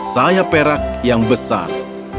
sayap perak yang besar